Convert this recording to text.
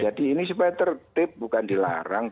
jadi ini supaya tertip bukan dilarang